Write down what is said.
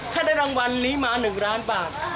ถ้าได้รางวัลนี้มา๑ล้านบาท